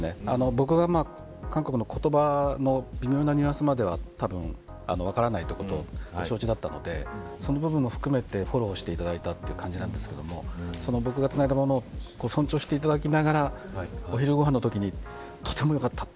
僕が監督の言葉の微妙なニュアンスまでは分からないことは承知だったのでその部分も含めてフォローしていただいた感じなんですけど僕がつないだものを尊重していただきながらお昼ご飯のときにとてもよかった。